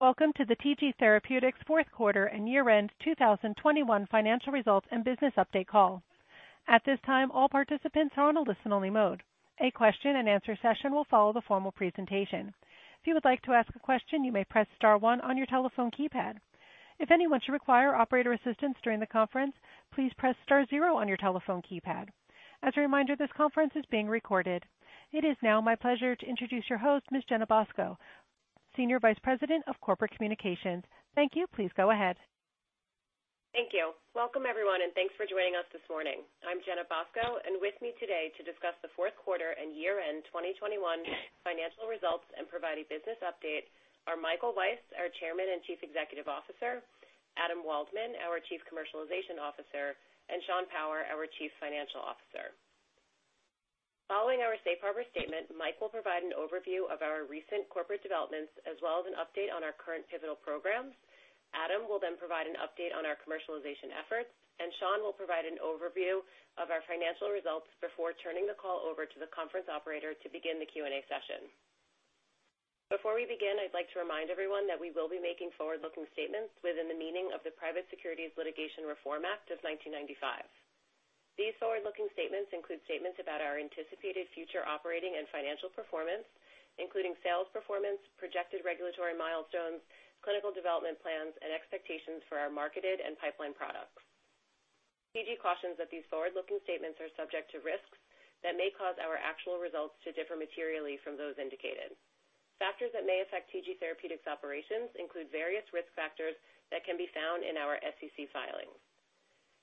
Welcome to the TG Therapeutics fourth quarter and year-end 2021 financial results and business update call. At this time, all participants are on a listen-only mode. A question and answer session will follow the formal presentation. If you would like to ask a question, you may press star one on your telephone keypad. If anyone should require operator assistance during the conference, please press star zero on your telephone keypad. As a reminder, this conference is being recorded. It is now my pleasure to introduce your host, Ms. Jenna Bosco, Senior Vice President of Corporate Communications. Thank you. Please go ahead. Thank you. Welcome, everyone, and thanks for joining us this morning. I'm Jenna Bosco, and with me today to discuss the fourth quarter and year-end 2021 financial results and provide a business update are Michael Weiss, our Chairman and Chief Executive Officer; Adam Waldman, our Chief Commercialization Officer; and Sean Power, our Chief Financial Officer. Following our safe harbor statement, Mike will provide an overview of our recent corporate developments as well as an update on our current pivotal programs. Adam will then provide an update on our commercialization efforts, and Sean will provide an overview of our financial results before turning the call over to the conference operator to begin the Q&A session. Before we begin, I'd like to remind everyone that we will be making forward-looking statements within the meaning of the Private Securities Litigation Reform Act of 1995. These forward-looking statements include statements about our anticipated future operating and financial performance, including sales performance, projected regulatory milestones, clinical development plans, and expectations for our marketed and pipeline products. TG cautions that these forward-looking statements are subject to risks that may cause our actual results to differ materially from those indicated. Factors that may affect TG Therapeutics operations include various risk factors that can be found in our SEC filings.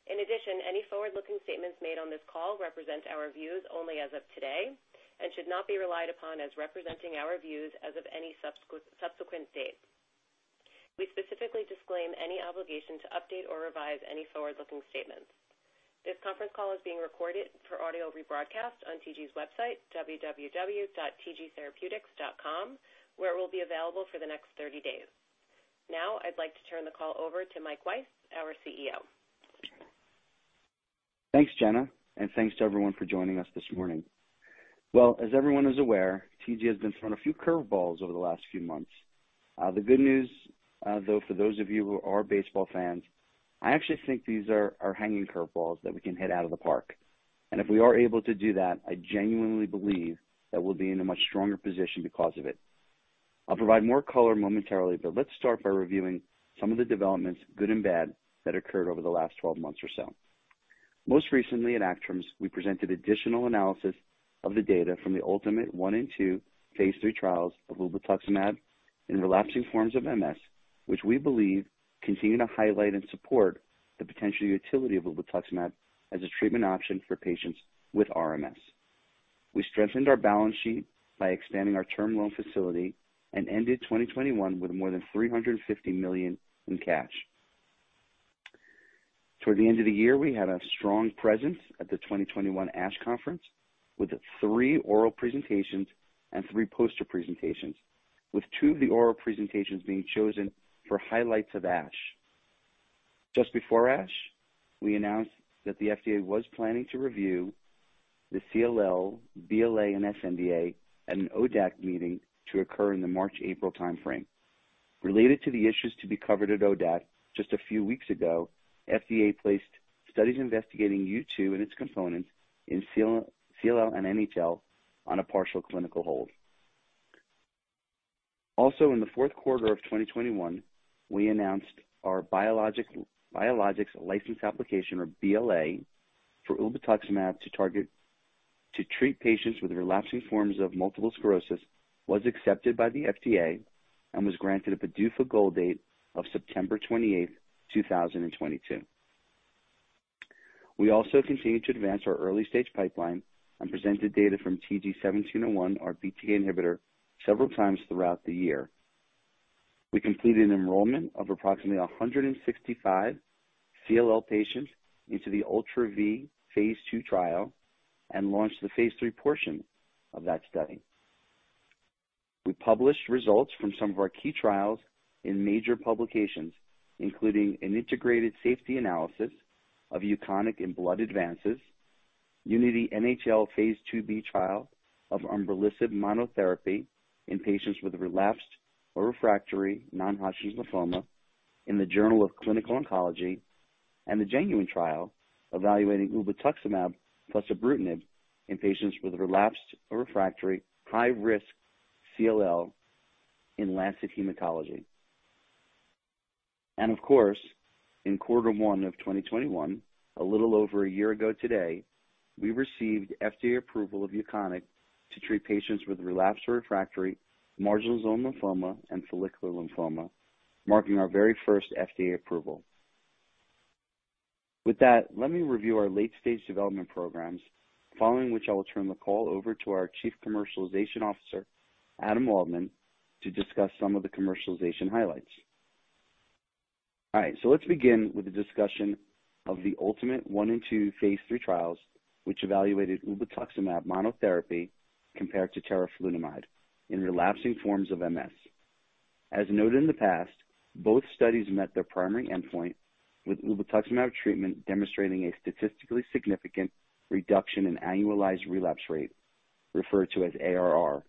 In addition, any forward-looking statements made on this call represent our views only as of today and should not be relied upon as representing our views as of any subsequent date. We specifically disclaim any obligation to update or revise any forward-looking statements. This conference call is being recorded for audio rebroadcast on TG's website, www.tgtherapeutics.com, where it will be available for the next thirty days. Now, I'd like to turn the call over to Michael Weiss, our CEO. Thanks, Jenna. Thanks to everyone for joining us this morning. Well, as everyone is aware, TG has been thrown a few curve balls over the last few months. The good news, though, for those of you who are baseball fans, I actually think these are hanging curve balls that we can hit out of the park. If we are able to do that, I genuinely believe that we'll be in a much stronger position because of it. I'll provide more color momentarily, but let's start by reviewing some of the developments, good and bad, that occurred over the last 12 months or so. Most recently at ACTRIMS, we presented additional analysis of the data from the ULTIMATE I and II phase III trials of ublituximab in relapsing forms of MS, which we believe continue to highlight and support the potential utility of ublituximab as a treatment option for patients with RMS. We strengthened our balance sheet by extending our term loan facility and ended 2021 with more than $350 million in cash. Toward the end of the year, we had a strong presence at the 2021 ASH Conference with three oral presentations and three poster presentations, with two of the oral presentations being chosen for highlights of ASH. Just before ASH, we announced that the FDA was planning to review the CLL BLA and sNDA at an ODAC meeting to occur in the March-April timeframe. Related to the issues to be covered at ODAC just a few weeks ago, FDA placed studies investigating U2 and its components in CLL and NHL on a partial clinical hold. Also, in the fourth quarter of 2021, we announced our Biologics License Application, or BLA, for ublituximab to treat patients with relapsing forms of multiple sclerosis, was accepted by the FDA and was granted a PDUFA goal date of September 28, 2022. We also continued to advance our early-stage pipeline and presented data from TG-1701, our BTK inhibitor, several times throughout the year. We completed an enrollment of approximately 165 CLL patients into the ULTRA-V phase II trial and launched the phase III portion of that study. We published results from some of our key trials in major publications, including an integrated safety analysis of UKONIQ in Blood Advances, UNITY-NHL phase IIb trial of umbralisib monotherapy in patients with relapsed or refractory non-Hodgkin's lymphoma in the Journal of Clinical Oncology, and the GENUINE trial evaluating ublituximab plus ibrutinib in patients with relapsed or refractory high-risk CLL in The Lancet Hematology. Of course, in quarter 1 of 2021, a little over a year ago today, we received FDA approval of UKONIQ to treat patients with relapsed or refractory marginal zone lymphoma and follicular lymphoma, marking our very first FDA approval. With that, let me review our late-stage development programs, following which I will turn the call over to our Chief Commercialization Officer, Adam Waldman, to discuss some of the commercialization highlights. All right, let's begin with a discussion of the ULTIMATE I and II phase III trials, which evaluated ublituximab monotherapy compared to teriflunomide in relapsing forms of MS. As noted in the past. Both studies met their primary endpoint with ublituximab treatment demonstrating a statistically significant reduction in annualized relapse rate, referred to as ARR,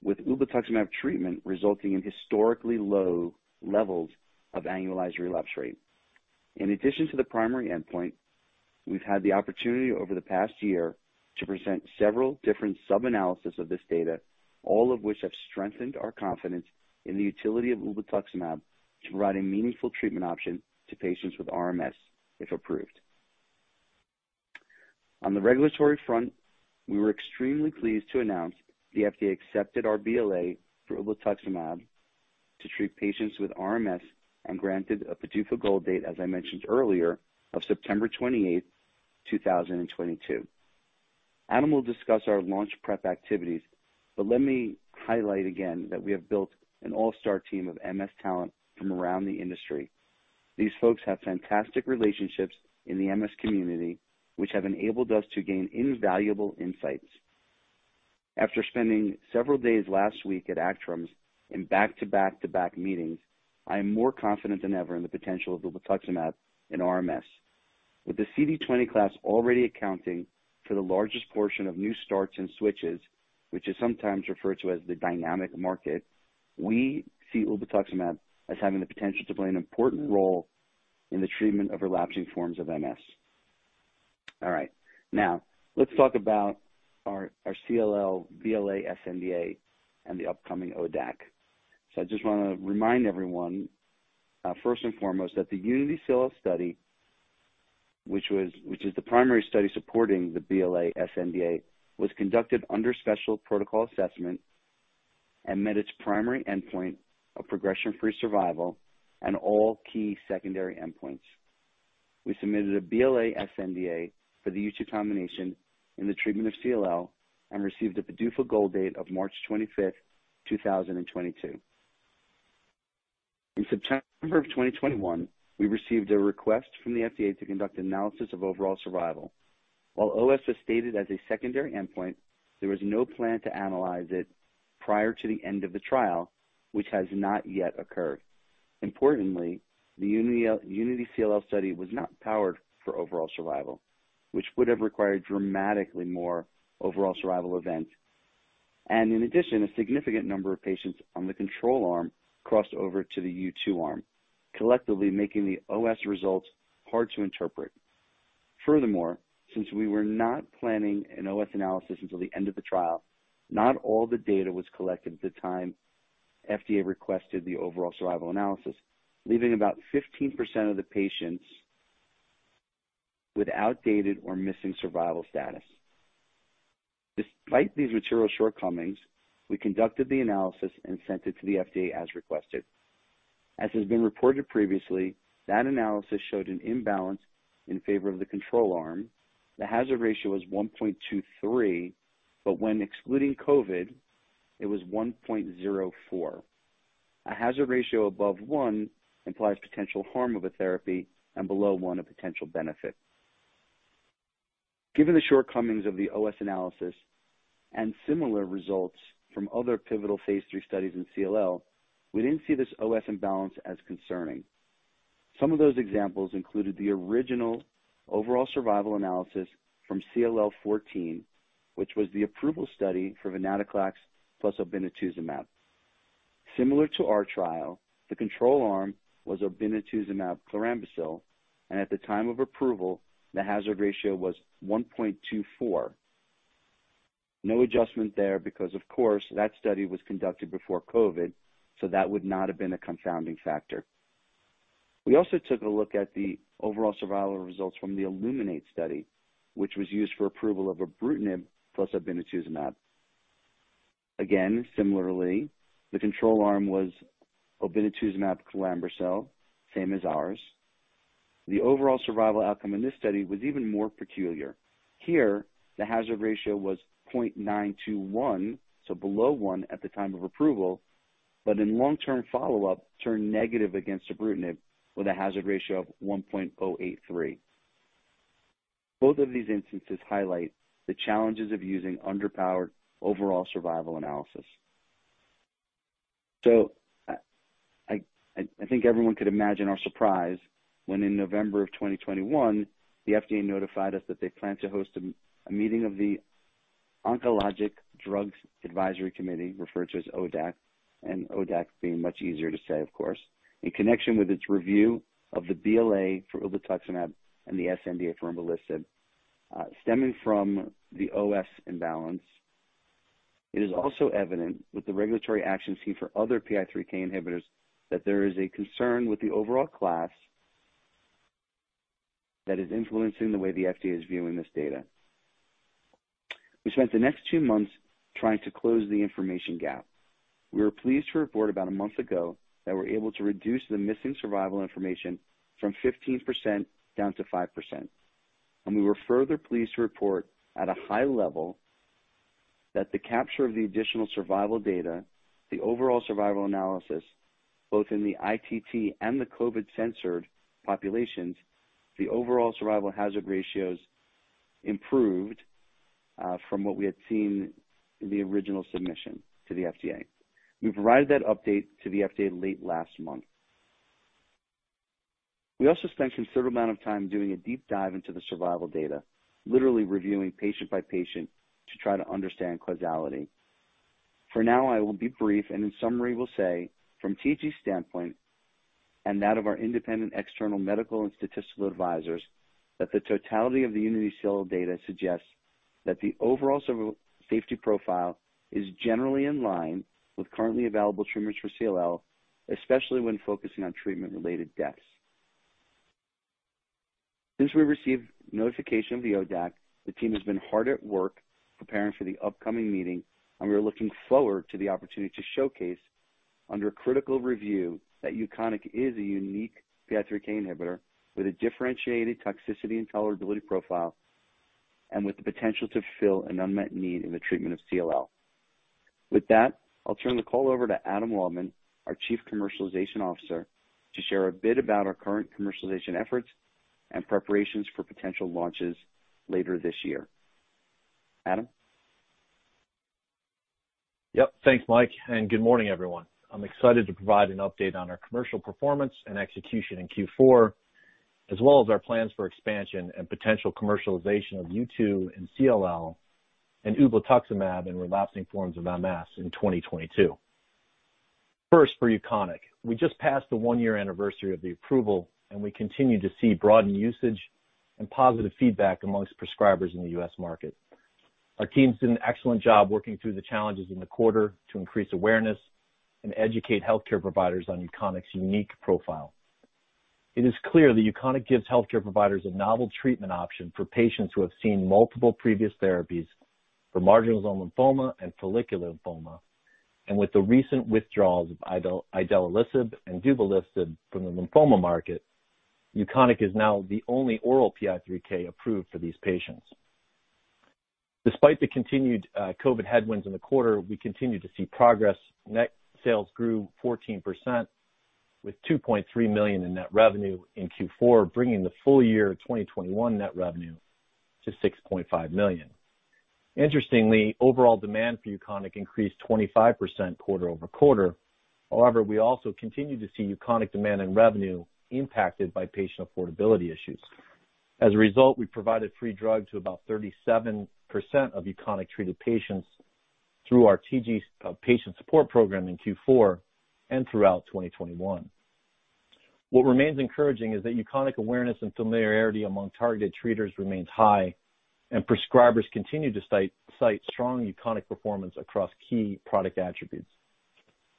with ublituximab treatment resulting in historically low levels of annualized relapse rate. In addition to the primary endpoint, we've had the opportunity over the past year to present several different sub-analysis of this data, all of which have strengthened our confidence in the utility of ublituximab to provide a meaningful treatment option to patients with RMS, if approved. On the regulatory front, we were extremely pleased to announce the FDA accepted our BLA for ublituximab to treat patients with RMS and granted a PDUFA goal date, as I mentioned earlier, of September 28, 2022. Adam will discuss our launch prep activities, but let me highlight again that we have built an all-star team of MS talent from around the industry. These folks have fantastic relationships in the MS community, which have enabled us to gain invaluable insights. After spending several days last week at ACTRIMS in back-to-back-to-back meetings, I am more confident than ever in the potential of ublituximab in RMS. With the CD20 class already accounting for the largest portion of new starts and switches, which is sometimes referred to as the dynamic market, we see ublituximab as having the potential to play an important role in the treatment of relapsing forms of MS. All right. Now, let's talk about our CLL BLA sNDA and the upcoming ODAC. I just wanna remind everyone, first and foremost, that the UNITY-CLL study, which is the primary study supporting the BLA sNDA, was conducted under Special Protocol Assessment and met its primary endpoint of progression-free survival and all key secondary endpoints. We submitted a BLA sNDA for the U2 combination in the treatment of CLL and received a PDUFA goal date of March 25, 2022. In September 2021, we received a request from the FDA to conduct analysis of overall survival. While OS is stated as a secondary endpoint, there was no plan to analyze it prior to the end of the trial, which has not yet occurred. Importantly, the UNITY-CLL study was not powered for overall survival, which would have required dramatically more overall survival events. In addition, a significant number of patients on the control arm crossed over to the U2 arm, collectively making the OS results hard to interpret. Furthermore, since we were not planning an OS analysis until the end of the trial, not all the data was collected at the time FDA requested the overall survival analysis, leaving about 15% of the patients with outdated or missing survival status. Despite these material shortcomings, we conducted the analysis and sent it to the FDA as requested. As has been reported previously, that analysis showed an imbalance in favor of the control arm. The hazard ratio was 1.23, but when excluding COVID, it was 1.04. A hazard ratio above 1 implies potential harm of a therapy, and below 1 a potential benefit. Given the shortcomings of the OS analysis and similar results from other pivotal phase III studies in CLL, we didn't see this OS imbalance as concerning. Some of those examples included the original overall survival analysis from CLL14, which was the approval study for venetoclax plus obinutuzumab. Similar to our trial, the control arm was obinutuzumab chlorambucil, and at the time of approval, the hazard ratio was 1.24. No adjustment there because, of course, that study was conducted before COVID, so that would not have been a confounding factor. We also took a look at the overall survival results from the iLLUMINATE study, which was used for approval of ibrutinib plus obinutuzumab. Again, similarly, the control arm was obinutuzumab chlorambucil, same as ours. The overall survival outcome in this study was even more peculiar. Here, the hazard ratio was 0.921, so below one at the time of approval, but in long-term follow-up, turned negative against ibrutinib with a hazard ratio of 1.083. Both of these instances highlight the challenges of using underpowered overall survival analysis. I think everyone could imagine our surprise when in November 2021, the FDA notified us that they plan to host a meeting of the Oncologic Drugs Advisory Committee, referred to as ODAC, and ODAC being much easier to say, of course, in connection with its review of the BLA for ublituximab and the sNDA for umbralisib. Stemming from the OS imbalance, it is also evident with the regulatory action seen for other PI3K inhibitors that there is a concern with the overall class that is influencing the way the FDA is viewing this data. We spent the next two months trying to close the information gap. We were pleased to report about a month ago that we're able to reduce the missing survival information from 15% down to 5%. We were further pleased to report at a high level that the capture of the additional survival data, the overall survival analysis, both in the ITT and the COVID censored populations, the overall survival hazard ratios improved from what we had seen in the original submission to the FDA. We provided that update to the FDA late last month. We also spent a considerable amount of time doing a deep dive into the survival data, literally reviewing patient by patient to try to understand causality. For now, I will be brief and in summary, will say from TG's standpoint and that of our independent external medical and statistical advisors, that the totality of the UNITY-CLL data suggests that the overall safety profile is generally in line with currently available treatments for CLL, especially when focusing on treatment-related deaths. Since we received notification of the ODAC, the team has been hard at work preparing for the upcoming meeting, and we are looking forward to the opportunity to showcase under critical review that UKONIQ is a unique PI3K inhibitor with a differentiated toxicity and tolerability profile and with the potential to fill an unmet need in the treatment of CLL. With that, I'll turn the call over to Adam Waldman, our Chief Commercialization Officer, to share a bit about our current commercialization efforts and preparations for potential launches later this year. Adam? Yep. Thanks, Mike, and good morning, everyone. I'm excited to provide an update on our commercial performance and execution in Q4, as well as our plans for expansion and potential commercialization of U2 in CLL and ublituximab in relapsing forms of MS in 2022. First, for UKONIQ. We just passed the one-year anniversary of the approval, and we continue to see broadened usage and positive feedback among prescribers in the U.S. market. Our teams did an excellent job working through the challenges in the quarter to increase awareness and educate healthcare providers on UKONIQ's unique profile. It is clear that UKONIQ gives healthcare providers a novel treatment option for patients who have seen multiple previous therapies for marginal zone lymphoma and follicular lymphoma. With the recent withdrawals of idelalisib and duvelisib from the lymphoma market, UKONIQ is now the only oral PI3K approved for these patients. Despite the continued COVID headwinds in the quarter, we continue to see progress. Net sales grew 14% with $2.3 million in net revenue in Q4, bringing the full year 2021 net revenue to $6.5 million. Interestingly, overall demand for UKONIQ increased 25% quarter-over-quarter. However, we also continue to see UKONIQ demand and revenue impacted by patient affordability issues. As a result, we provided free drug to about 37% of UKONIQ-treated patients through our TG patient support program in Q4 and throughout 2021. What remains encouraging is that UKONIQ awareness and familiarity among targeted treaters remains high, and prescribers continue to cite strong UKONIQ performance across key product attributes.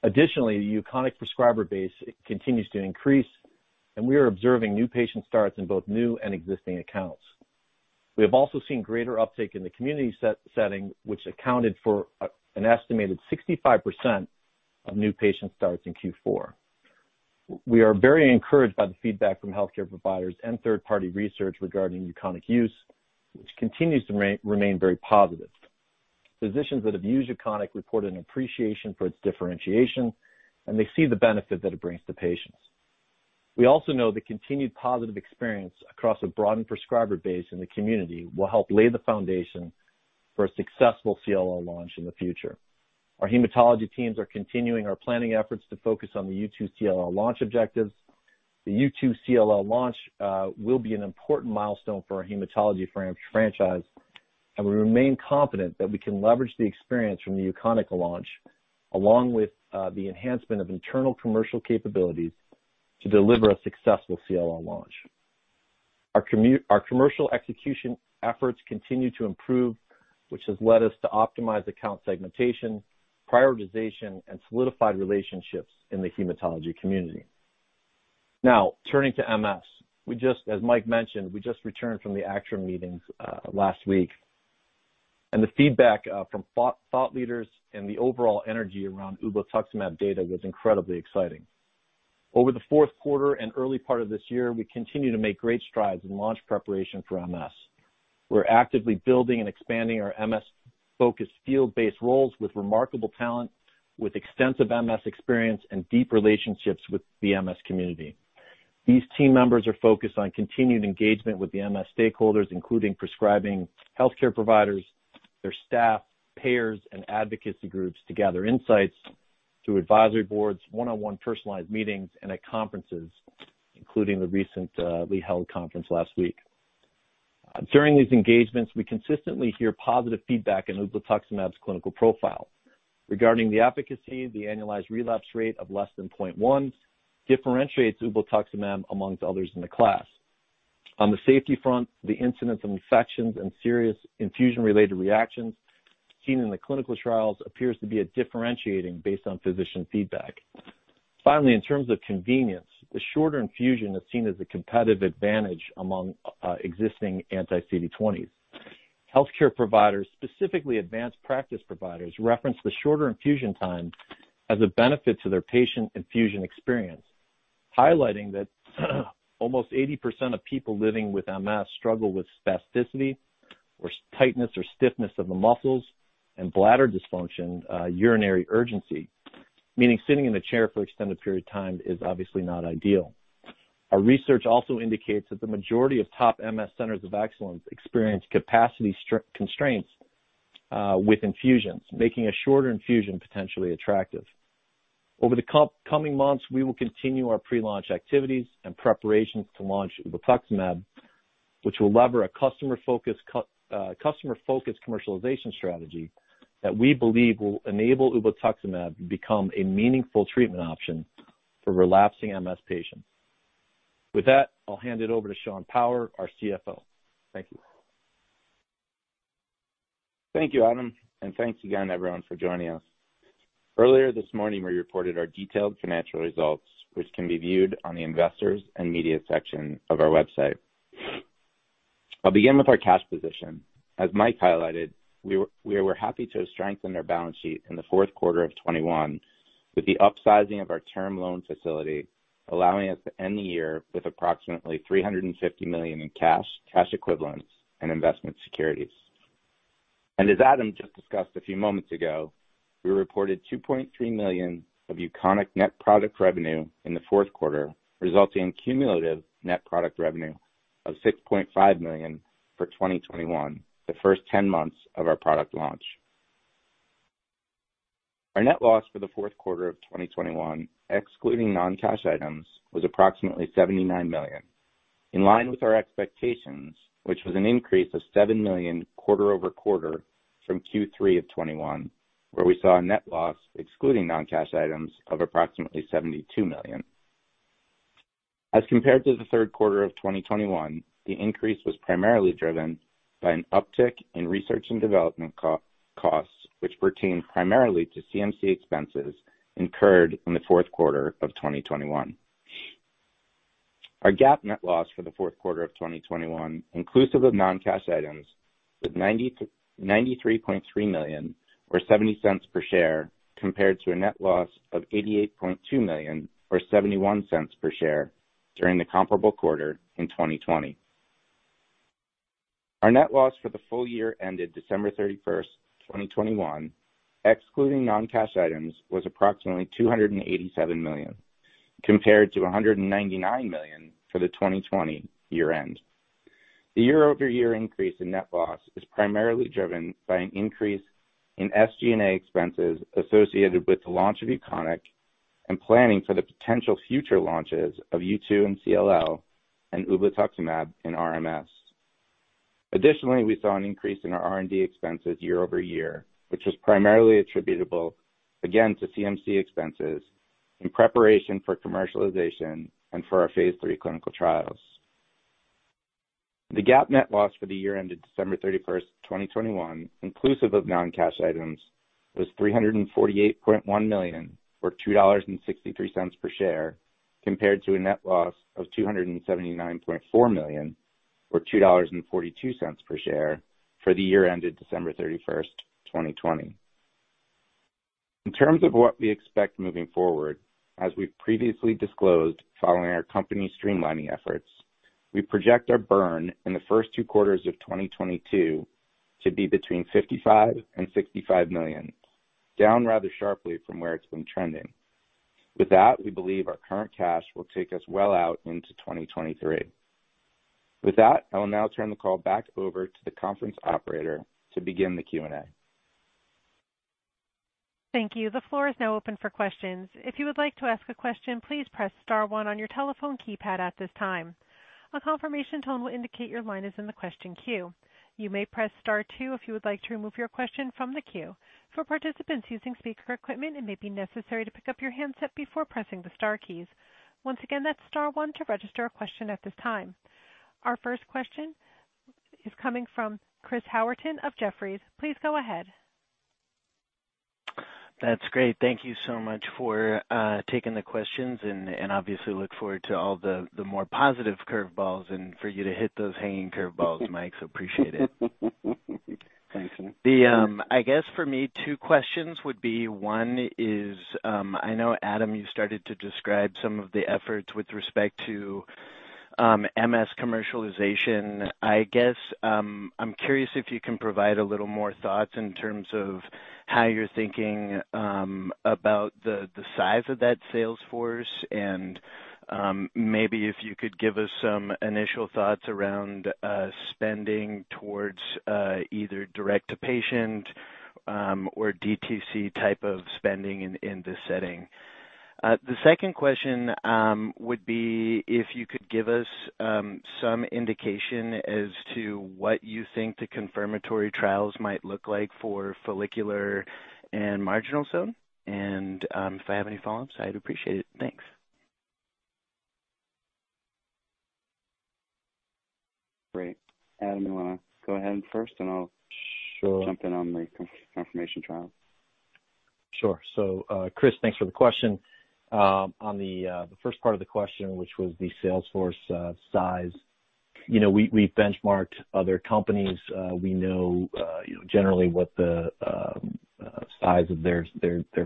Additionally, the UKONIQ prescriber base continues to increase, and we are observing new patient starts in both new and existing accounts. We have also seen greater uptake in the community setting, which accounted for an estimated 65% of new patient starts in Q4. We are very encouraged by the feedback from healthcare providers and third-party research regarding UKONIQ use, which continues to remain very positive. Physicians that have used UKONIQ report an appreciation for its differentiation, and they see the benefit that it brings to patients. We also know the continued positive experience across a broadened prescriber base in the community will help lay the foundation for a successful CLL launch in the future. Our hematology teams are continuing our planning efforts to focus on the U2 CLL launch objectives. The U2 CLL launch will be an important milestone for our hematology franchise, and we remain confident that we can leverage the experience from the UKONIQ launch along with the enhancement of internal commercial capabilities to deliver a successful CLL launch. Our commercial execution efforts continue to improve, which has led us to optimize account segmentation, prioritization, and solidified relationships in the hematology community. Now turning to MS. As Mike mentioned, we just returned from the ACTRIMS meetings last week, and the feedback from thought leaders and the overall energy around ublituximab data was incredibly exciting. Over the fourth quarter and early part of this year, we continue to make great strides in launch preparation for MS. We're actively building and expanding our MS-focused field-based roles with remarkable talent, with extensive MS experience and deep relationships with the MS community. These team members are focused on continued engagement with the MS stakeholders, including prescribing healthcare providers, their staff, payers, and advocacy groups, to gather insights through advisory boards, one-on-one personalized meetings, and at conferences, including the recent we held conference last week. During these engagements, we consistently hear positive feedback in ublituximab's clinical profile. Regarding the efficacy, the annualized relapse rate of less than 0.1 differentiates ublituximab among others in the class. On the safety front, the incidence of infections and serious infusion-related reactions seen in the clinical trials appears to be a differentiating, based on physician feedback. Finally, in terms of convenience, the shorter infusion is seen as a competitive advantage among existing anti-CD20s. Healthcare providers, specifically advanced practice providers, reference the shorter infusion time as a benefit to their patient infusion experience, highlighting that almost 80% of people living with MS struggle with spasticity or tightness or stiffness of the muscles and bladder dysfunction, urinary urgency. Meaning sitting in a chair for extended period of time is obviously not ideal. Our research also indicates that the majority of top MS centers of excellence experience capacity constraints with infusions, making a shorter infusion potentially attractive. Over the coming months, we will continue our pre-launch activities and preparations to launch ublituximab, which will leverage a customer-focused commercialization strategy that we believe will enable ublituximab to become a meaningful treatment option for relapsing MS patients. With that, I'll hand it over to Sean Power, our CFO. Thank you. Thank you, Adam, and thanks again everyone for joining us. Earlier this morning, we reported our detailed financial results, which can be viewed on the investors and media section of our website. I'll begin with our cash position. As Mike highlighted, we were happy to have strengthened our balance sheet in the fourth quarter of 2021 with the upsizing of our term loan facility, allowing us to end the year with approximately $350 million in cash equivalents, and investment securities. As Adam just discussed a few moments ago, we reported $2.3 million of UKONIQ net product revenue in the fourth quarter, resulting in cumulative net product revenue of $6.5 million for 2021, the first 10 months of our product launch. Our net loss for the fourth quarter of 2021, excluding non-cash items, was approximately $79 million. In line with our expectations, which was an increase of $7 million quarter-over-quarter from Q3 of 2021, where we saw a net loss excluding non-cash items of approximately $72 million. As compared to the third quarter of 2021, the increase was primarily driven by an uptick in research and development costs, which pertained primarily to CMC expenses incurred in the fourth quarter of 2021. Our GAAP net loss for the fourth quarter of 2021, inclusive of non-cash items, was $93.3 million or $0.70 per share, compared to a net loss of $88.2 million or $0.71 per share during the comparable quarter in 2020. Our net loss for the full year ended December 31, 2021, excluding non-cash items, was approximately $287 million, compared to $199 million for the 2020 year-end. The year-over-year increase in net loss is primarily driven by an increase in SG&A expenses associated with the launch of UKONIQ and planning for the potential future launches of U2 and CLL and ublituximab in RMS. Additionally, we saw an increase in our R&D expenses year over year, which was primarily attributable again to CMC expenses in preparation for commercialization and for our phase III clinical trials. The GAAP net loss for the year ended December 31, 2021, inclusive of non-cash items, was $348.1 million or $2.63 per share, compared to a net loss of $279.4 million or $2.42 per share for the year ended December 31, 2020. In terms of what we expect moving forward, as we've previously disclosed following our company streamlining efforts, we project our burn in the first two quarters of 2022 to be between $55 million and $65 million, down rather sharply from where it's been trending. With that, we believe our current cash will take us well out into 2023. With that, I will now turn the call back over to the conference operator to begin the Q&A. Thank you. The floor is now open for questions. If you would like to ask a question, please press star one on your telephone keypad at this time. A confirmation tone will indicate your line is in the question queue. You may press star two if you would like to remove your question from the queue. For participants using speaker equipment, it may be necessary to pick up your handset before pressing the star keys. Once again, that's star one to register a question at this time. Our first question is coming from Chris Howerton of Jefferies. Please go ahead. That's great. Thank you so much for taking the questions and obviously I look forward to all the more positive curveballs and for you to hit those hanging curveballs, Mike. Appreciate it. Thanks. I guess for me, two questions would be, one is, I know Adam, you started to describe some of the efforts with respect to MS commercialization. I guess, I'm curious if you can provide a little more thoughts in terms of how you're thinking about the size of that sales force and maybe if you could give us some initial thoughts around spending towards either direct to patient or DTC type of spending in this setting. The second question would be if you could give us some indication as to what you think the confirmatory trials might look like for follicular and marginal zone. If I have any follow-ups, I'd appreciate it. Thanks. Great. Adam, you wanna go ahead first and I'll Sure. jump in on the confirmation trial? Sure. Chris, thanks for the question. On the first part of the question, which was the sales force size. You know, we've benchmarked other companies. We know, you know, generally what the size of their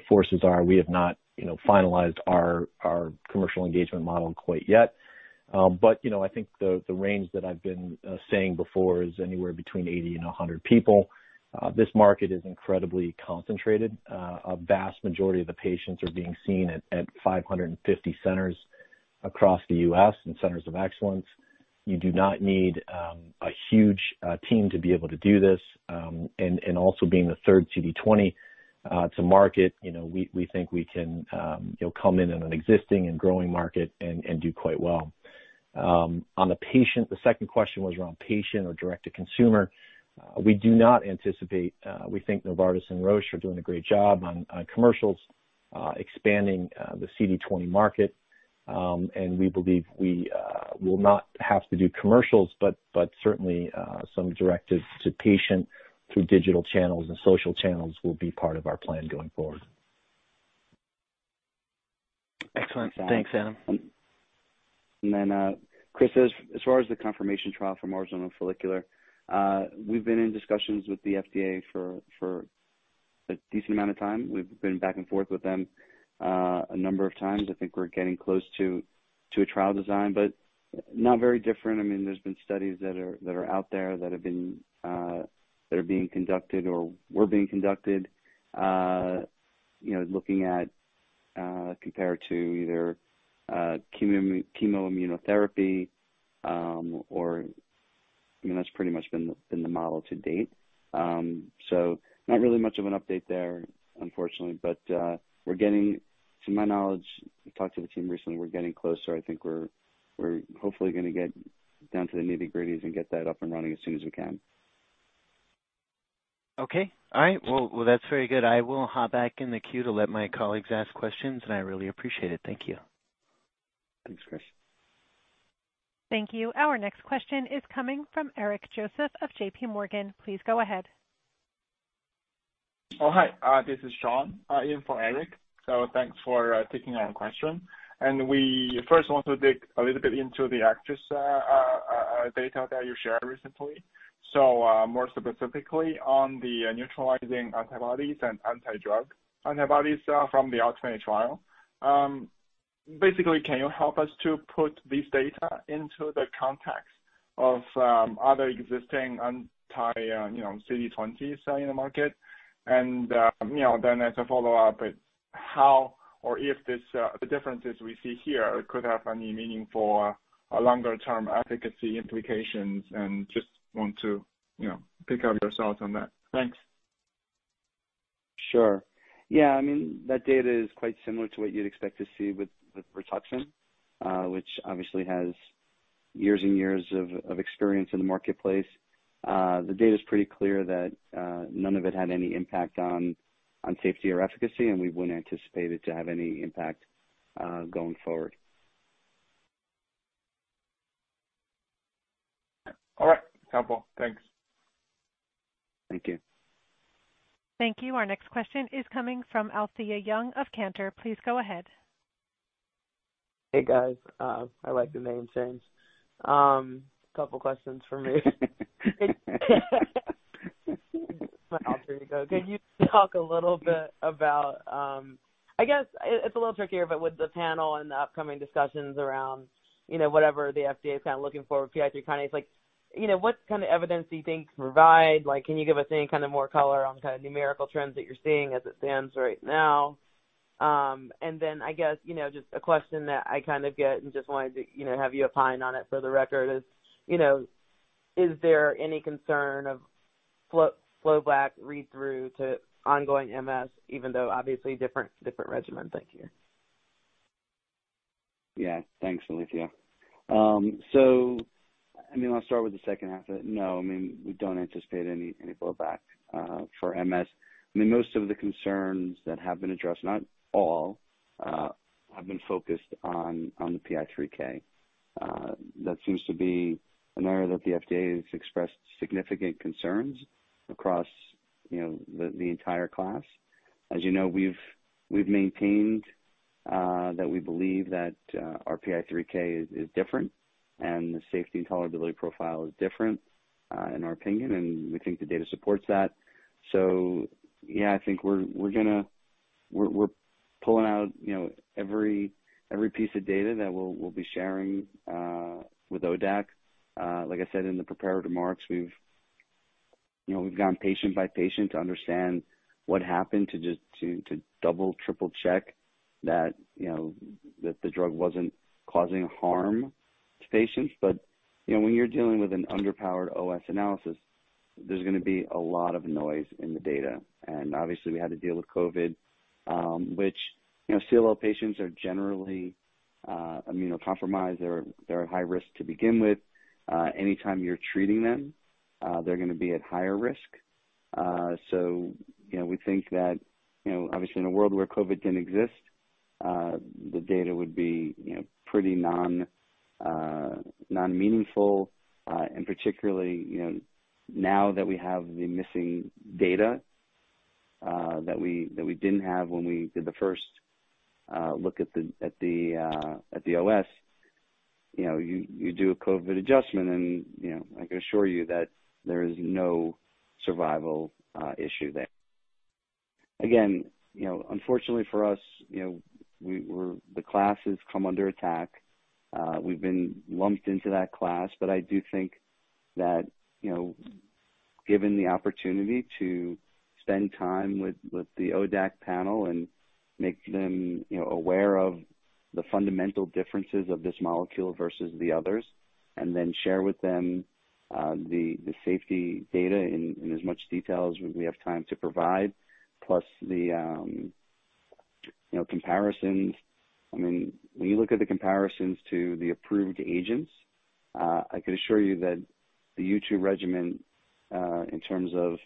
forces are. We have not, you know, finalized our commercial engagement model quite yet. You know, I think the range that I've been saying before is anywhere between 80 and 100 people. This market is incredibly concentrated. A vast majority of the patients are being seen at 550 centers. Across the U.S. and centers of excellence. You do not need a huge team to be able to do this, and also being the third CD20 to market, you know, we think we can, you know, come in in an existing and growing market and do quite well. On the patient. The second question was around patient or direct to consumer. We do not anticipate, we think Novartis and Roche are doing a great job on commercials, expanding the CD20 market. And we believe we will not have to do commercials, but certainly some directives to patient through digital channels and social channels will be part of our plan going forward. Excellent. Thanks, Adam. Chris, as far as the confirmation trial for marginal zone follicular, we've been in discussions with the FDA for a decent amount of time. We've been back and forth with them a number of times. I think we're getting close to a trial design, but not very different. I mean, there's been studies that are out there that have been that are being conducted or were being conducted, you know, looking at compared to either chemo-immunotherapy, or, I mean, that's pretty much been the model to date. So not really much of an update there, unfortunately. To my knowledge, I talked to the team recently, we're getting closer. I think we're hopefully gonna get down to the nitty-gritties and get that up and running as soon as we can. Okay. All right. Well, that's very good. I will hop back in the queue to let my colleagues ask questions, and I really appreciate it. Thank you. Thanks, Chris. Thank you. Our next question is coming from Eric Joseph of JPMorgan. Please go ahead. Hi. This is Sean in for Eric. Thanks for taking our question. We first want to dig a little bit into the ACTRIMS data that you shared recently. More specifically on the neutralizing antibodies and anti-drug antibodies from the ULTIMATE trial. Basically, can you help us to put this data into the context of other existing anti, you know, CD20s in the market? You know, then as a follow-up, how or if the differences we see here could have any meaningful longer-term efficacy implications, and just want to pick up your thoughts on that. Thanks. Sure. Yeah. I mean, that data is quite similar to what you'd expect to see with Rituxan, which obviously has years and years of experience in the marketplace. The data is pretty clear that none of it had any impact on safety or efficacy, and we wouldn't anticipate it to have any impact going forward. All right. Sounds well. Thanks. Thank you. Thank you. Our next question is coming from Alethia Young of Cantor. Please go ahead. Hey, guys. I like the name change. A couple questions for me. Can you talk a little bit about, I guess it's a little trickier, but with the panel and the upcoming discussions around, you know, whatever the FDA is kind of looking for PI3K inhibitors, like, you know, what kind of evidence do you think can provide? Like, can you give us any kind of more color on kind of numerical trends that you're seeing as it stands right now? And then I guess, you know, just a question that I kind of get and just wanted to, you know, have you opine on it for the record is, you know, is there any concern of flow-back read-through to ongoing MS, even though obviously different regimens? Thank you. Yeah. Thanks, Alethia. I mean, I'll start with the second half of that. No, I mean, we don't anticipate any blowback for MS. I mean, most of the concerns that have been addressed, not all, have been focused on the PI3K. That seems to be an area that the FDA has expressed significant concerns across, you know, the entire class. As you know, we've maintained that we believe that our PI3K is different and the safety and tolerability profile is different in our opinion, and we think the data supports that. Yeah, I think we're pulling out, you know, every piece of data that we'll be sharing with ODAC. Like I said in the prepared remarks, we've gone patient by patient to understand what happened, to double, triple-check that, you know, the drug wasn't causing harm to patients. You know, when you're dealing with an underpowered OS analysis, there's gonna be a lot of noise in the data. Obviously, we had to deal with COVID, which, you know, CLL patients are generally immunocompromised. They're at high risk to begin with. Anytime you're treating them, they're gonna be at higher risk. You know, we think that, you know, obviously in a world where COVID didn't exist, the data would be, you know, pretty non-meaningful. Particularly, you know, now that we have the missing data that we didn't have when we did the first look at the OS, you know, you do a COVID adjustment and, you know, I can assure you that there is no survival issue there. Again, you know, unfortunately for us, you know, we're. The class has come under attack. We've been lumped into that class, but I do think that, you know. Given the opportunity to spend time with the ODAC panel and make them, you know, aware of the fundamental differences of this molecule versus the others, and then share with them the safety data in as much detail as we have time to provide, plus the comparisons. I mean, when you look at the comparisons to the approved agents, I can assure you that the U2 regimen, in terms of,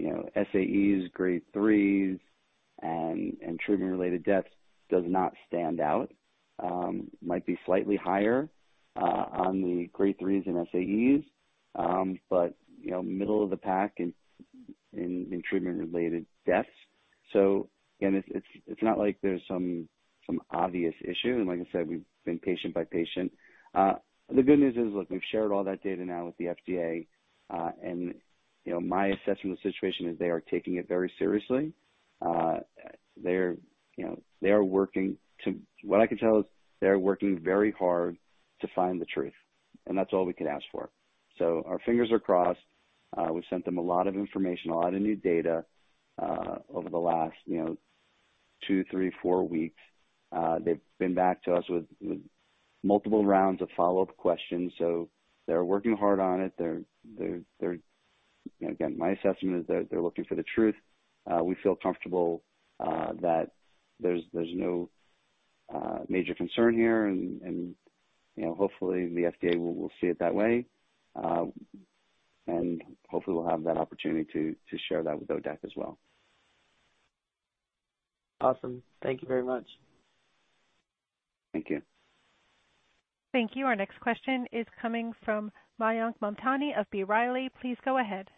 you know, SAEs grade 3s and treatment-related deaths does not stand out. Might be slightly higher, on the grade 3s in SAEs, but, you know, middle of the pack in treatment-related deaths. Again, it's not like there's some obvious issue. Like I said, we've been patient by patient. The good news is, look, we've shared all that data now with the FDA, and, you know, my assessment of the situation is they are taking it very seriously. What I can tell is they're working very hard to find the truth. That's all we could ask for. Our fingers are crossed. We've sent them a lot of information, a lot of new data, over the last, you know, 2, 3, 4 weeks. They've been back to us with multiple rounds of follow-up questions, so they're working hard on it. They're looking for the truth. We feel comfortable that there's no major concern here and, you know, hopefully the FDA will see it that way. And hopefully we'll have that opportunity to share that with ODAC as well. Awesome. Thank you very much. Thank you. Thank you. Our next question is coming from Mayank Mamtani of B. Riley. Please go ahead.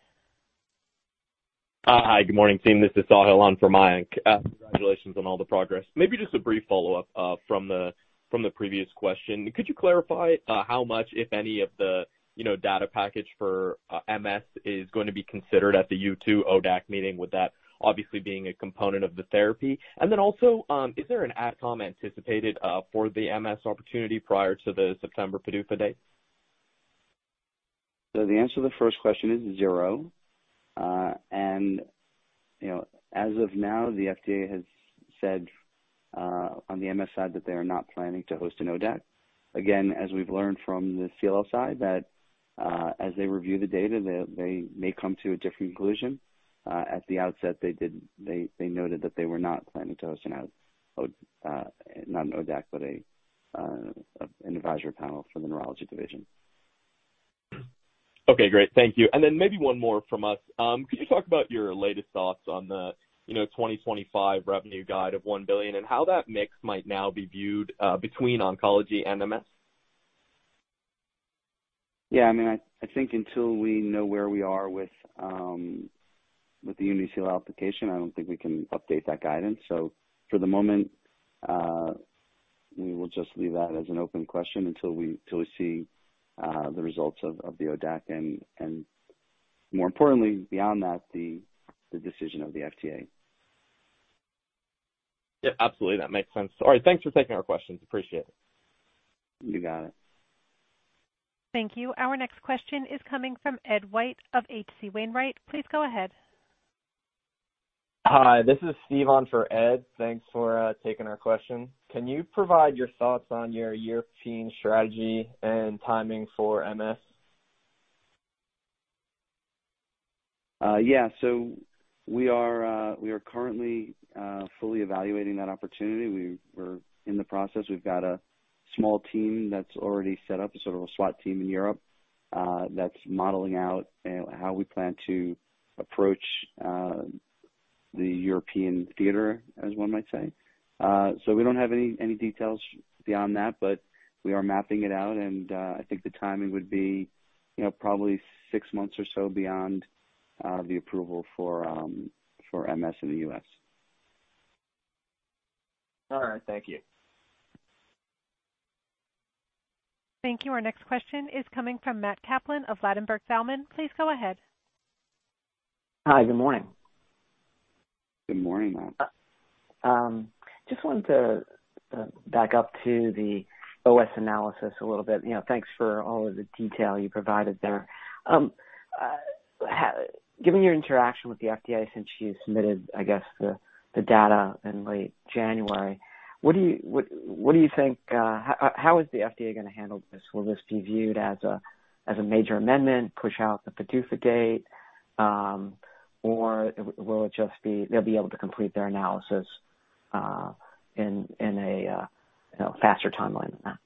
Hi, good morning team. This is Sahil on for Mayank. Congratulations on all the progress. Maybe just a brief follow-up from the previous question. Could you clarify how much, if any, of the you know data package for MS is going to be considered at the U2 ODAC meeting, with that obviously being a component of the therapy? And then also, is there an ad com anticipated for the MS opportunity prior to the September PDUFA date? The answer to the first question is 0. You know, as of now, the FDA has said on the MS side that they are not planning to host an ODAC. Again, as we've learned from the CLL side, as they review the data, they may come to a different conclusion. At the outset, they noted that they were not planning to host an ODAC, but an advisory panel for the neurology division. Okay, great. Thank you. Maybe one more from us. Could you talk about your latest thoughts on the 2025 revenue guide of $1 billion, and how that mix might now be viewed between oncology and MS? Yeah, I mean, I think until we know where we are with the UNITY-CLL application, I don't think we can update that guidance. For the moment, we will just leave that as an open question until we see the results of the ODAC and more importantly, beyond that, the decision of the FDA. Yeah, absolutely. That makes sense. All right. Thanks for taking our questions. Appreciate it. You got it. Thank you. Our next question is coming from Edward White of H.C. Wainwright. Please go ahead. Hi, this is Steve on for Ed. Thanks for taking our question. Can you provide your thoughts on your European strategy and timing for MS? We are currently fully evaluating that opportunity. We're in the process. We've got a small team that's already set up, a sort of a SWAT team in Europe that's modeling out how we plan to approach the European theater, as one might say. We don't have any details beyond that, but we are mapping it out. I think the timing would be, you know, probably six months or so beyond the approval for MS in the U.S. All right. Thank you. Thank you. Our next question is coming from Matthew Kaplan of Ladenburg Thalmann. Please go ahead. Hi. Good morning. Good morning, Matt. Just wanted to back up to the OS analysis a little bit. You know, thanks for all of the detail you provided there. Given your interaction with the FDA since you submitted, I guess, the data in late January, what do you think, how is the FDA gonna handle this? Will this be viewed as a major amendment, push out the PDUFA date, or will it just be they'll be able to complete their analysis in a you know faster timeline than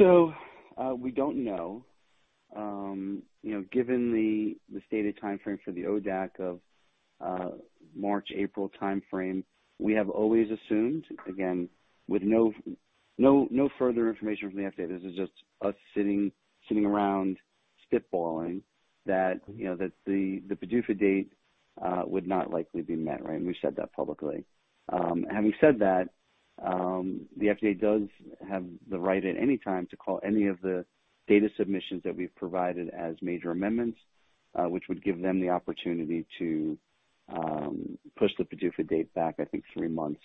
that? We don't know. You know, given the stated timeframe for the ODAC of March, April timeframe, we have always assumed, again, with no further information from the FDA, this is just us sitting around spitballing that you know that the PDUFA date would not likely be met, right? We've said that publicly. Having said that, the FDA does have the right at any time to call any of the data submissions that we've provided as major amendments, which would give them the opportunity to push the PDUFA date back, I think, three months.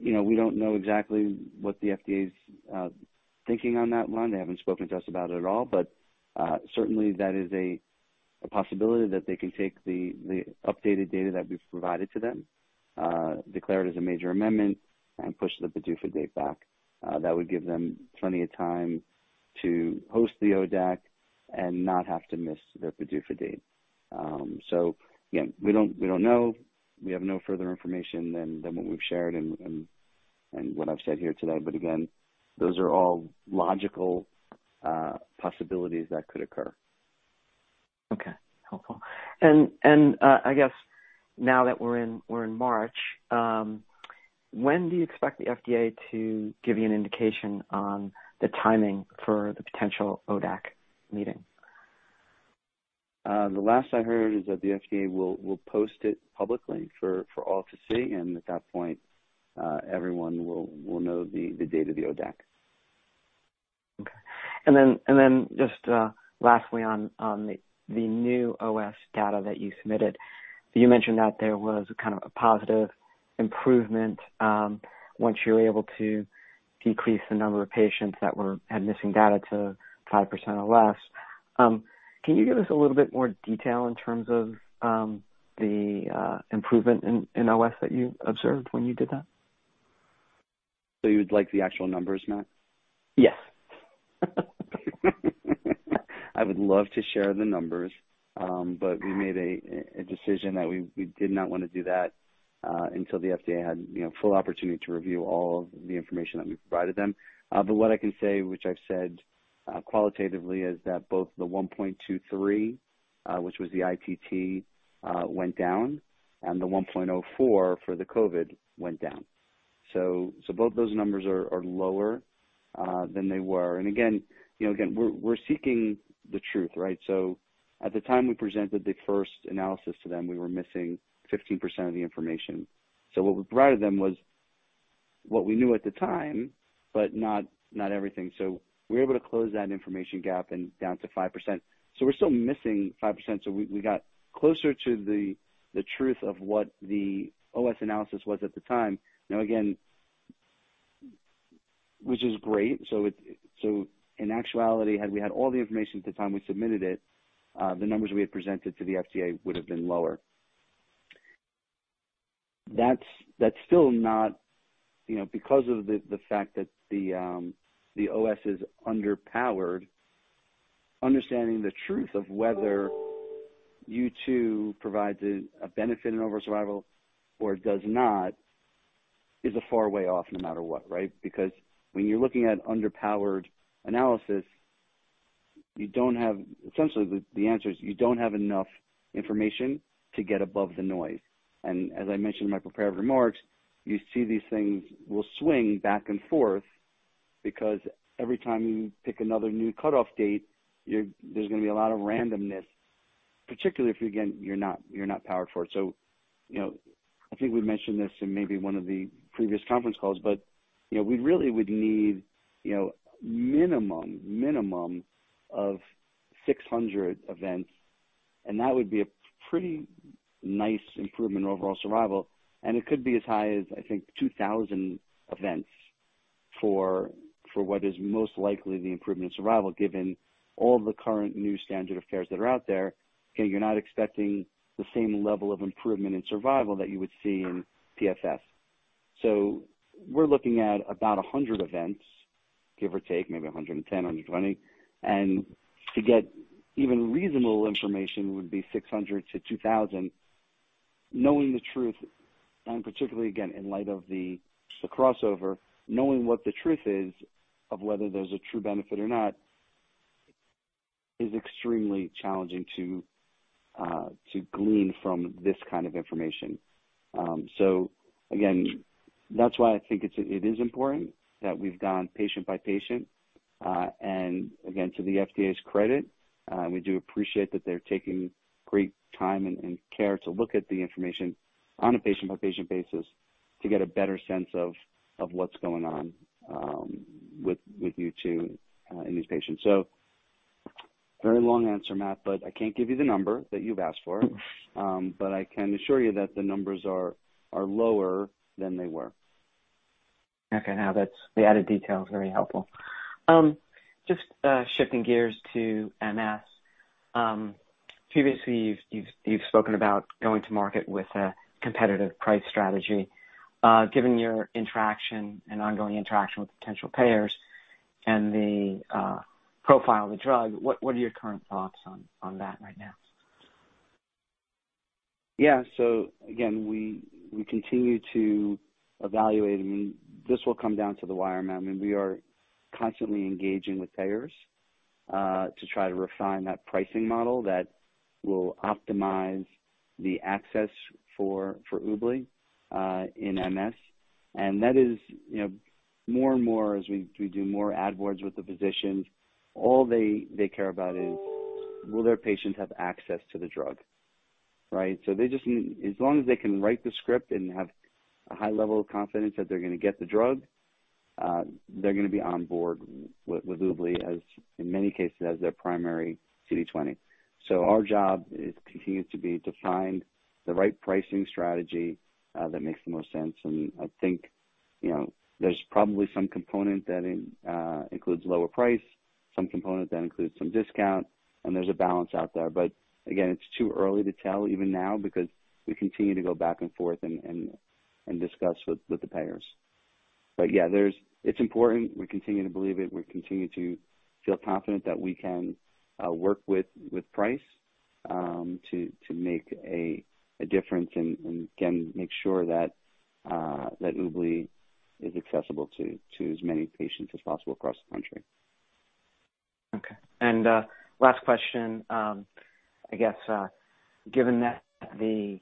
You know, we don't know exactly what the FDA's thinking on that one. They haven't spoken to us about it at all, but certainly that is a possibility that they can take the updated data that we've provided to them, declare it as a major amendment, and push the PDUFA date back. That would give them plenty of time to host the ODAC and not have to miss their PDUFA date. Again, we don't know. We have no further information than what we've shared and what I've said here today. Again, those are all logical possibilities that could occur. Okay. Helpful. I guess now that we're in March, when do you expect the FDA to give you an indication on the timing for the potential ODAC meeting? The last I heard is that the FDA will post it publicly for all to see, and at that point, everyone will know the date of the ODAC. Okay. Then just lastly on the new OS data that you submitted, you mentioned that there was kind of a positive improvement once you were able to decrease the number of patients that had missing data to 5% or less. Can you give us a little bit more detail in terms of the improvement in OS that you observed when you did that? You would like the actual numbers, Matt? Yes. I would love to share the numbers. We made a decision that we did not wanna do that until the FDA had you know full opportunity to review all of the information that we provided them. What I can say, which I've said qualitatively, is that both the 1.23, which was the ITT, went down, and the 1.04 for the COVID went down. Both those numbers are lower than they were. Again, you know, we're seeking the truth, right? At the time we presented the first analysis to them, we were missing 15% of the information. What we provided them was what we knew at the time, but not everything. We were able to close that information gap and down to 5%. We're still missing 5%, so we got closer to the truth of what the OS analysis was at the time. Now again, which is great. In actuality, had we had all the information at the time we submitted it, the numbers we had presented to the FDA would have been lower. That's still not. You know, because of the fact that the OS is underpowered, understanding the truth of whether U2 provides a benefit in overall survival or does not is a far way off no matter what, right? Because when you're looking at underpowered analysis, you don't have essentially the answer is you don't have enough information to get above the noise. As I mentioned in my prepared remarks, you see these things will swing back and forth because every time you pick another new cutoff date, you're, there's gonna be a lot of randomness, particularly if, again, you're not powered for it. You know, I think we've mentioned this in maybe one of the previous conference calls, but, you know, we really would need, you know, minimum of 600 events, and that would be a pretty nice improvement in overall survival. It could be as high as, I think, 2000 events for what is most likely the improvement in survival, given all the current new standard of care that are out there. Okay, you're not expecting the same level of improvement in survival that you would see in PFS. We're looking at about 100 events, give or take, maybe 110, 120. To get even reasonable information would be 600-2,000. Knowing the truth, and particularly again, in light of the crossover, knowing what the truth is of whether there's a true benefit or not is extremely challenging to glean from this kind of information. Again, that's why I think it is important that we've gone patient by patient, and again, to the FDA's credit, we do appreciate that they're taking great time and care to look at the information on a patient by patient basis to get a better sense of what's going on with U2 in these patients. Very long answer, Matt, but I can't give you the number that you've asked for. I can assure you that the numbers are lower than they were. Okay. No, that's the added detail is very helpful. Just shifting gears to MS. Previously you've spoken about going to market with a competitive price strategy. Given your interaction and ongoing interaction with potential payers and the profile of the drug, what are your current thoughts on that right now? Yeah. Again, we continue to evaluate, and this will come down to the wire, Matt. I mean, we are constantly engaging with payers to try to refine that pricing model that will optimize the access for UBLI in MS. That is, you know, more and more as we do more ad boards with the physicians, all they care about is will their patients have access to the drug, right? They just need, as long as they can write the script and have a high level of confidence that they're gonna get the drug. They're gonna be on board with UBLY as, in many cases, as their primary CD20. Our job continues to be to find the right pricing strategy that makes the most sense. I think, you know, there's probably some component that includes lower price, some component that includes some discount, and there's a balance out there. Again, it's too early to tell even now because we continue to go back and forth and discuss with the payers. Yeah, it's important. We continue to believe it. We continue to feel confident that we can work with price to make a difference and, again, make sure that UBLY is accessible to as many patients as possible across the country. Okay. Last question. I guess, given that the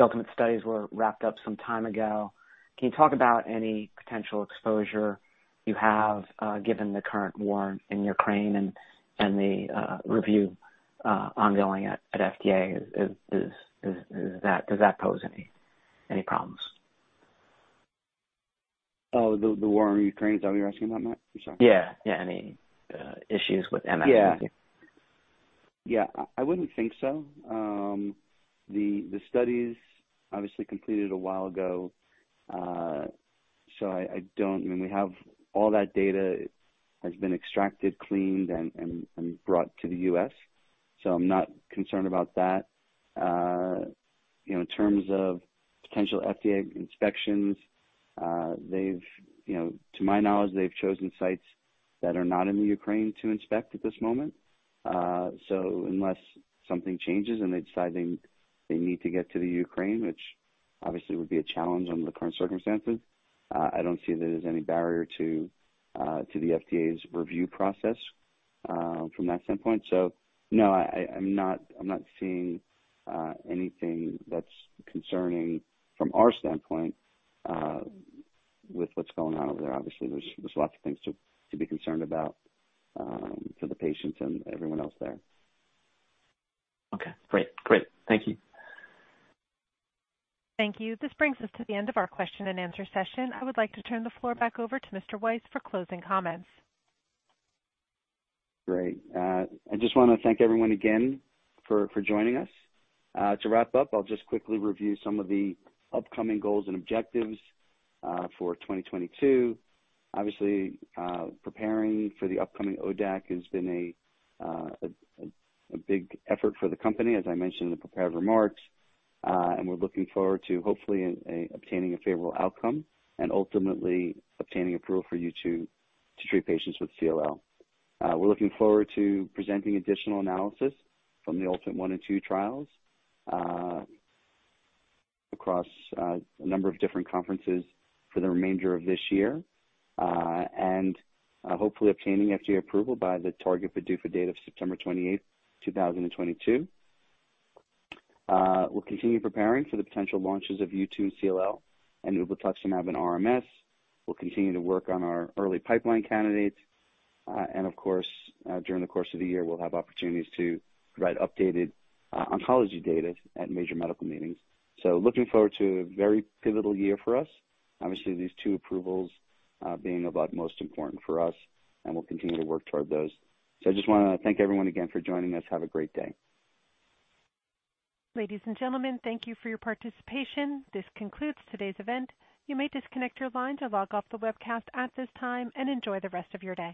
ultimate studies were wrapped up some time ago, can you talk about any potential exposure you have, given the current war in Ukraine and the review ongoing at FDA? Does that pose any problems? Oh, the war in Ukraine, is that what you're asking about, Matt? I'm sorry. Yeah. Yeah, any issues with MI- Yeah. Yeah, I wouldn't think so. The studies obviously completed a while ago. So I don't. I mean, we have all that data has been extracted, cleaned, and brought to the U.S., so I'm not concerned about that. You know, in terms of potential FDA inspections, they've, you know, to my knowledge, they've chosen sites that are not in the Ukraine to inspect at this moment. So unless something changes and they decide they need to get to the Ukraine, which obviously would be a challenge under the current circumstances, I don't see that as any barrier to the FDA's review process from that standpoint. So no, I'm not seeing anything that's concerning from our standpoint with what's going on over there. Obviously, there's lots of things to be concerned about for the patients and everyone else there. Okay. Great. Thank you. Thank you. This brings us to the end of our question and answer session. I would like to turn the floor back over to Mr. Weiss for closing comments. Great. I just wanna thank everyone again for joining us. To wrap up, I'll just quickly review some of the upcoming goals and objectives for 2022. Obviously, preparing for the upcoming ODAC has been a big effort for the company, as I mentioned in the prepared remarks, and we're looking forward to hopefully obtaining a favorable outcome and ultimately obtaining approval for U2 to treat patients with CLL. We're looking forward to presenting additional analysis from the UNITY I and II trials across a number of different conferences for the remainder of this year. Hopefully obtaining FDA approval by the target PDUFA date of September 28, 2022. We'll continue preparing for the potential launches of U2 in CLL and ublituximab in RMS. We'll continue to work on our early pipeline candidates. Of course, during the course of the year, we'll have opportunities to write updated, oncology data at major medical meetings. Looking forward to a very pivotal year for us. Obviously, these two approvals, being of utmost importance for us, and we'll continue to work toward those. I just wanna thank everyone again for joining us. Have a great day. Ladies and gentlemen, thank you for your participation. This concludes today's event. You may disconnect your line to log off the webcast at this time, and enjoy the rest of your day.